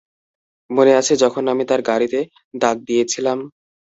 মনে আছে যখন আমি তার গাড়িতে দাগ দিয়েছিলাম?